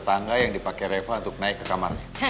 tangga yang dipakai reva untuk naik ke kamarnya